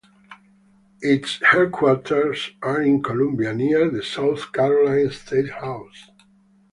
Its headquarters are in Columbia near the South Carolina State House.